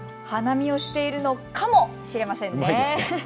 花見をしているのカモしれませんね。